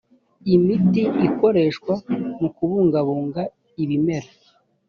imiti ikoreshwa mu kubungabunga ibimera